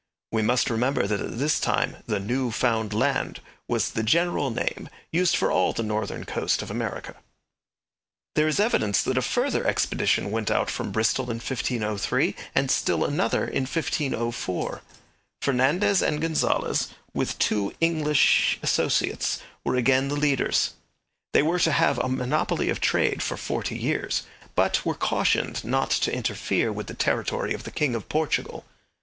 We must remember that at this time the New Found Land was the general name used for all the northern coast of America. There is evidence that a further expedition went out from Bristol in 1503, and still another in 1504. Fernandez and Gonzales, with two English associates, were again the leaders. They were to have a monopoly of trade for forty years, but were cautioned not to interfere with the territory of the king of Portugal.